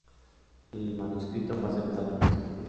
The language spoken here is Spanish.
El manuscrito fue aceptado e impreso.